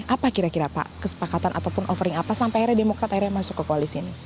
apa kira kira pak kesepakatan ataupun offering apa sampai akhirnya demokrat akhirnya masuk ke koalisi ini